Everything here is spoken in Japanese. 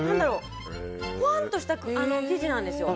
ほわんとした感じなんですよ。